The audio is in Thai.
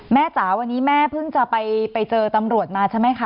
จ๋าวันนี้แม่เพิ่งจะไปเจอตำรวจมาใช่ไหมคะ